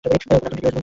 না, তুমি ঠিকই বলছ।